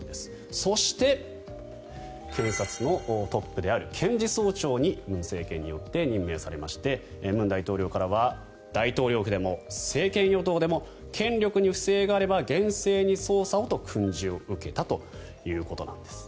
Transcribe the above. そして検察のトップである検事総長に文政権によって任命されまして文大統領からは大統領府でも政権与党でも権力に不正があれば厳正に捜査をと訓示を受けたということです。